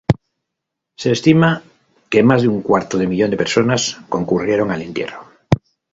Se estima que más de un cuarto de millón de personas concurrieron al entierro.